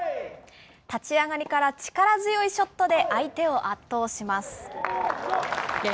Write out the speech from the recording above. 立ち上がりから力強いショットで相手を圧倒します。